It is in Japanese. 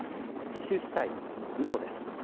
自首したい、うそです。